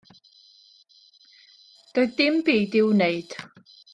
Doedd dim byd i'w wneud.